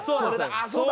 ああそうだ！